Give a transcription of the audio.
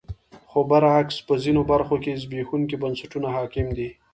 خو برعکس په ځینو برخو کې زبېښونکي بنسټونه حاکم دي.